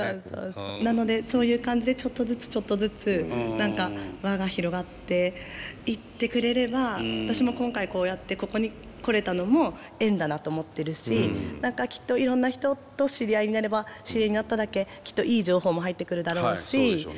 なのでそういう感じでちょっとずつちょっとずつ何か輪が広がっていってくれれば私も今回こうやってここに来れたのも縁だなと思ってるし何かきっといろんな人と知り合いになれば知り合いになっただけきっといい情報も入ってくるだろうし。